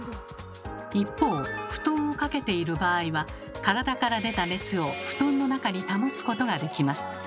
一方布団をかけている場合は体から出た熱を布団の中に保つことができます。